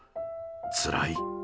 つらい。